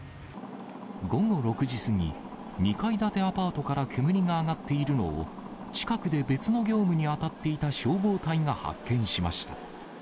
午後６時過ぎ、２階建てアパートから煙が上がっているのを、近くで別の業務に当たっていた消防隊が発見しました。